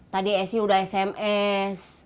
tadi esi udah sms